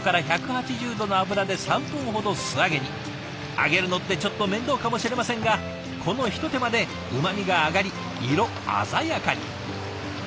揚げるのってちょっと面倒かもしれませんがこの一手間でうまみが上がり色鮮やかに！